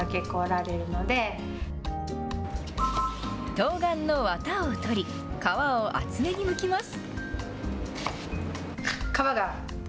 とうがんのわたを取り、皮を厚めにむきます。